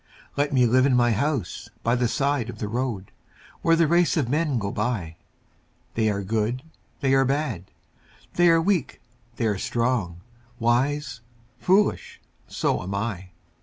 Let me live in my house by the side of the road, Where the race of men go by They are good, they are bad, they are weak, they are strong, Wise, foolish so am I.